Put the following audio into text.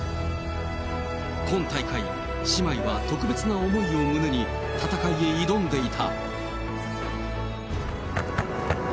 今大会、姉妹は特別な思いを胸に、戦いへ挑んでいた。